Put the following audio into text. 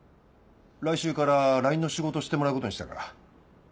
来週からラインの仕事してもらうことにしたから。